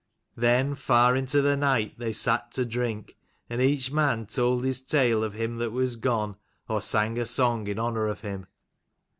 Then far into the night they sat to drink, and each man told his tale of him that was gone, or sang a song in honour of him.